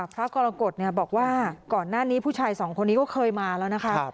พระกรกฎบอกว่าก่อนหน้านี้ผู้ชายสองคนนี้ก็เคยมาแล้วนะคะ